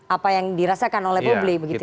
apa yang dirasakan oleh publik begitu